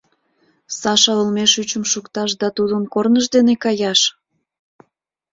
Саша олмеш ӱчым шукташ да тудын корныж дене каяш?..